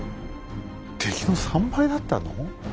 敵の３倍だったの？